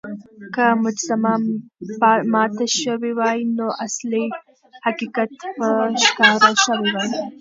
که مجسمه ماته شوې وای، نو اصلي حقيقت به ښکاره شوی وای.